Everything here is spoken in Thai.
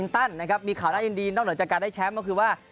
ตันนะครับมีข่าวน่ายินดีนอกเหนือจากการได้แชมป์ก็คือว่า